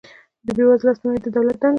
د بې وزلو لاسنیوی د دولت دنده ده